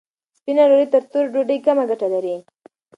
سپینه ډوډۍ تر تورې ډوډۍ کمه ګټه لري.